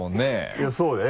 いやそうだね